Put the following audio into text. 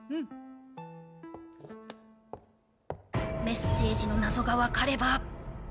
メッセージの謎がわかれば。